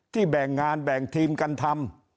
แบ่งงานแบ่งทีมกันทำ